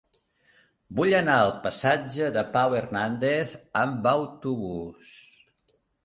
Vull anar al passatge de Pau Hernández amb autobús.